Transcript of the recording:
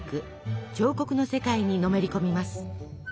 彫刻の世界にのめり込みます。